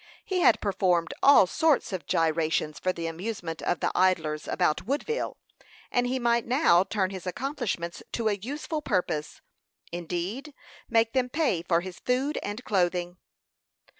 He had performed all sorts of gyrations for the amusement of the idlers about Woodville, and he might now turn his accomplishments to a useful purpose indeed, make them pay for his food and clothing.